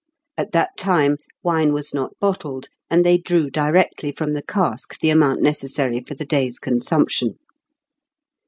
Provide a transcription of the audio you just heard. At that time wine was not bottled, and they drew directly from the cask the amount necessary for the day's consumption.